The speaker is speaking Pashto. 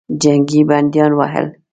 جنګي بندیان ول.